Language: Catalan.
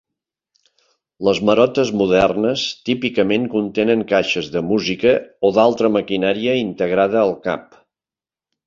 Les marotes modernes típicament contenen caixes de música o d'altra maquinària integrada al cap.